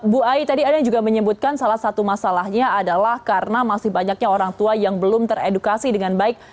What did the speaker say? bu ai tadi ada juga menyebutkan salah satu masalahnya adalah karena masih banyaknya orang tua yang belum teredukasi dengan baik